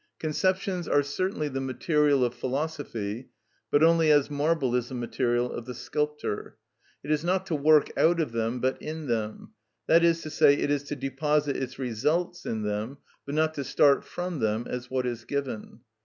Conceptions are certainly the material of philosophy, but only as marble is the material of the sculptor. It is not to work out of them but in them; that is to say, it is to deposit its results in them, but not to start from them as what is given.